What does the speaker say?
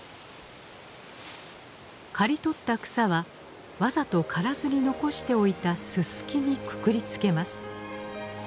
刈り取った草はわざと刈らずに残しておいたススキにくくりつけます。